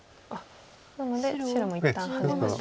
なので白も一旦ハネました。